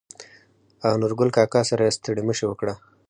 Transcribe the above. او نورګل کاکا سره يې ستړي مشې وکړه.